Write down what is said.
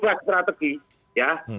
bebas strategi ya